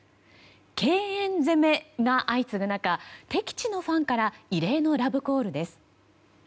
敬遠攻めが相次ぐ中敵地のファンから異例のラブコールです。